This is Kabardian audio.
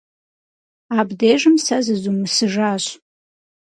Абдежым сэ зызумысыжащ.